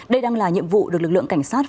đây đang là nhiệm vụ được lực lượng cảnh sát